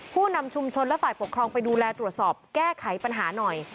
ผู้นำชุมชนและฝ่ายปกครองไปดูแลตรวจสอบแก้ไขปัญหาหน่อย